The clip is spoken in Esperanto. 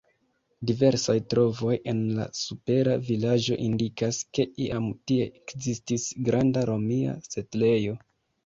Diversaj trovoj en la supera vilaĝo indikas, ke iam tie ekzistis granda romia setlejo.